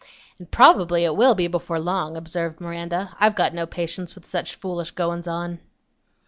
"And probably it will be before long," observed Miranda. "I've got no patience with such foolish goin's on."